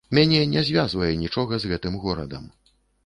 Мяне не звязвае нічога з гэтым горадам.